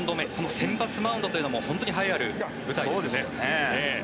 先発マウンドというのも本当に栄えある舞台ですね。